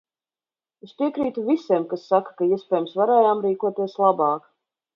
Es piekrītu visiem, kas saka, ka, iespējams, varējām rīkoties labāk.